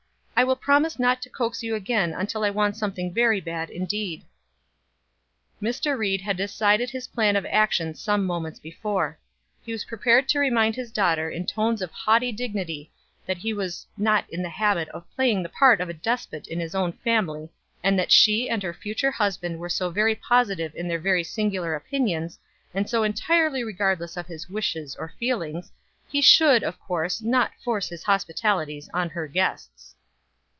I will promise not to coax you again until I want something very bad indeed." Mr. Ried had decided his plan of action some moments before. He was prepared to remind his daughter in tones of haughty dignity that he was "not in the habit of playing the part of a despot in his own family, and that as she and her future husband were so very positive in their very singular opinions, and so entirely regardless of his wishes or feelings, he should, of course, not force his hospitalities on her guests."